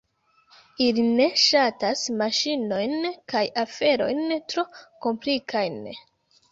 Ili ne ŝatas maŝinojn kaj aferojn tro komplikajn.